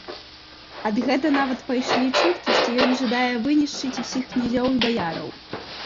Ад гэта нават пайшлі чуткі, што ён жадае вынішчыць усіх князёў і баяраў.